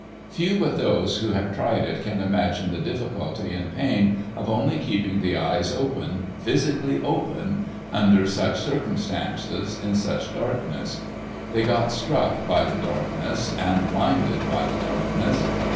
Few but those who have tried it can imagine the difficulty and i)ain of only keeping the eyes open — physically open — under such circumstances, in such darkness. They get struck by the darkness, and blinded by the darkness.